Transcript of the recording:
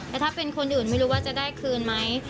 แต่ถ้าเป็นคนอื่นไม่รู้ว่าจะได้คืนไหม